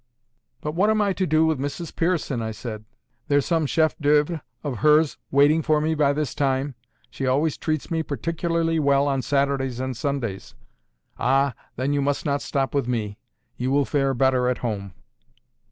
"But what am I to do with Mrs Pearson?" I said. "There's some chef d'oeuvre of hers waiting for me by this time. She always treats me particularly well on Saturdays and Sundays." "Ah! then, you must not stop with me. You will fare better at home."